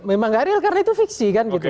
memang nggak real karena itu fiksi kan gitu